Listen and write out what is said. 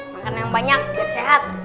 makanan yang banyak dan sehat